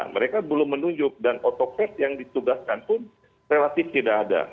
mereka belum menunjuk dan otopet yang ditugaskan pun relatif tidak ada